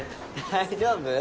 大丈夫？